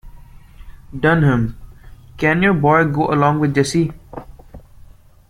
Dunham, can your boy go along with Jesse.